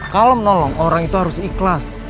kalau menolong orang itu harus ikhlas